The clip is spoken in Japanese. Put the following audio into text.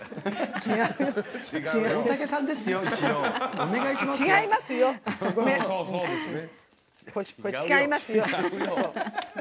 違いますよ。